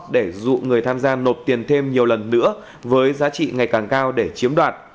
để dụ người tham gia nộp tiền thêm nhiều lần nữa với giá trị ngày càng cao để chiếm đoạt